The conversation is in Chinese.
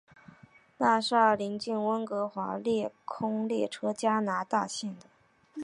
大厦邻近温哥华架空列车加拿大线的。